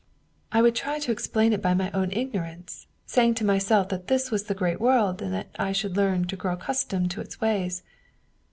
I would try to explain it by my own ignorance, saying to myself that this was the great world, and that I should learn to grow accustomed to its ways.